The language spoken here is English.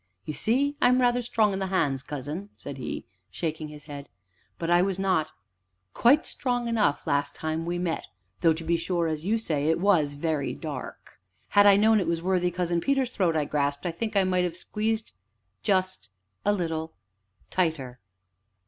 "You see, I am rather strong in the hands, cousin," said he, shaking his head, "but I was not quite strong enough, last time we met, though, to be sure, as you say, it was very dark. Had I known it was worthy Cousin Peter's throat I grasped, I think I might have squeezed it just a little tighter."